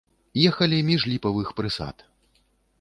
Ехалі між ліпавых прысад.